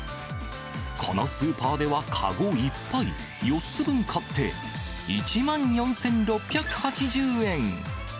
このスーパーでは籠いっぱい、４つ分買って、１万４６８０円。